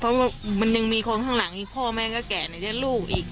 เพราะว่ามันยังมีคนข้างหลังอีกพ่อแม่ก็แก่ไหนจะลูกอีก